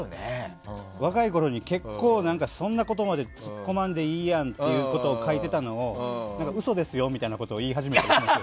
若いころに結構、そんなことまで突っ込まなくていいやんっていうのを書いていたのを嘘ですよみたいなことを言い始めて。